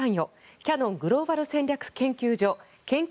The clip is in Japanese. キヤノングローバル戦略研究所研究